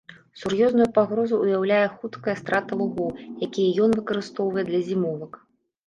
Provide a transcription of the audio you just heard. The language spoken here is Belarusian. Сур'ёзную пагрозу ўяўляе хуткая страта лугоў, якія ён выкарыстоўвае для зімовак.